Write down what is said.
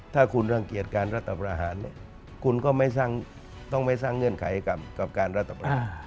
ถ้าคุณรังเกียจการรัฐประหารคุณก็ไม่ต้องไม่สร้างเงื่อนไขกับการรัฐประหาร